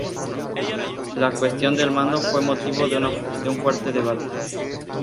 La cuestión del mando fue motivo de un fuerte debate.